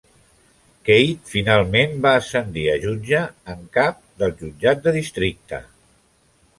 Keith finalment va ascendir a jutge en cap del jutjat de districte.